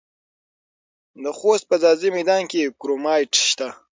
د خوست په ځاځي میدان کې کرومایټ شته.